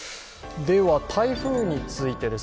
台風についてです。